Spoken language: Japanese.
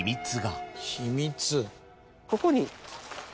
ここに。